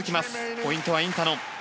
ポイントはインタノン。